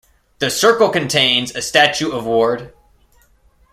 The circle contains a statue of Ward.